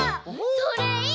それいい！